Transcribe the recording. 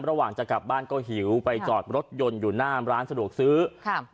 ระหว่างจะกลับบ้านก็หิวไปจอดรถยนต์อยู่หน้าร้านสะดวกซื้อค่ะ